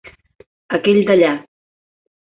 Aquell d'allà.